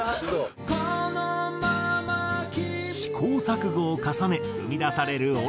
試行錯誤を重ね生み出される